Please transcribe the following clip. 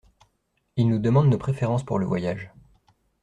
Il nous demande nos préférences pour le voyage.